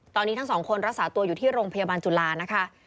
ตอนนี้ทั้งสองคนรักษาตัวอยู่ที่โรงพยาบาลจุฬานะคะ